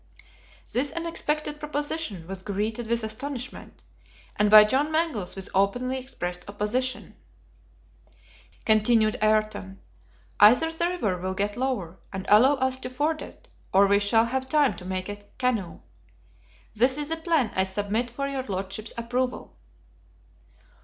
This unexpected proposition was greeted with astonishment, and by John Mangles with openly expressed opposition. "Meantime," continued Ayrton, "either the river will get lower, and allow us to ford it, or we shall have time to make a canoe. This is the plan I submit for your Lordship's approval."